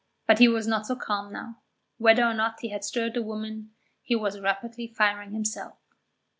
But he was not so calm now. Whether or not he had stirred the woman, he was rapidly firing himself.